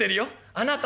「あなた」。